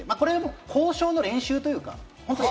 報酬の練習というか。